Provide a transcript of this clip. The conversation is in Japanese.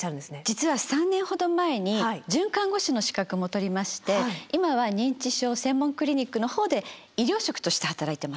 実は３年ほど前に准看護師の資格も取りまして今は認知症専門クリニックのほうで医療職として働いてます。